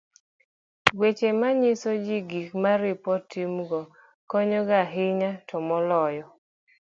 weche manyiso ji gik ma oripo timgo konyo ga ahinya to moloyo